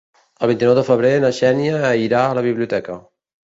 El vint-i-nou de febrer na Xènia irà a la biblioteca.